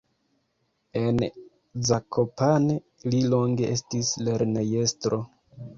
En Zakopane li longe estis lernejestro.